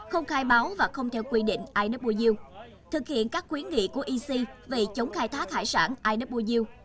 không khai báo và không theo quy định iwu thực hiện các quyến nghị của ec về chống khai thác hải sản iwu